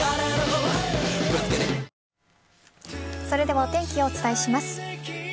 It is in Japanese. それではお天気をお伝えします。